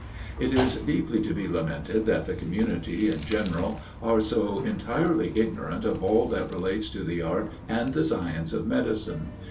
It is deeply to be lamented that the community, in general, are so entirely ignorant of all that relates to the art and the science of medicine.